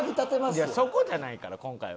いやそこじゃないから今回は。